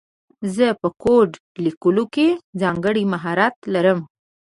زه په کوډ لیکلو کې ځانګړی مهارت لرم